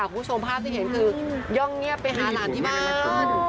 คุณผู้ชมภาพที่เห็นคือย่องเงียบไปหาหลานที่บ้าน